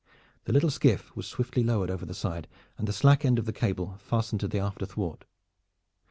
The little skiff was swiftly lowered over the side and the slack end of the cable fastened to the after thwart.